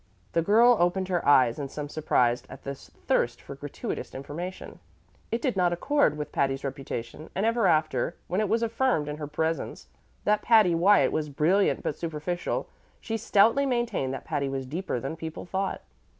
The girl opened her eyes in some surprise at this thirst for gratuitous information; it did not accord with Patty's reputation: and ever after, when it was affirmed in her presence that Patty Wyatt was brilliant but superficial, she stoutly maintained that Patty was deeper than people thought.